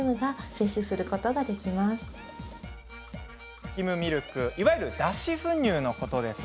スキムミルクいわゆる脱脂粉乳のことです。